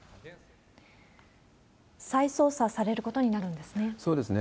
再捜査されることになるんですね。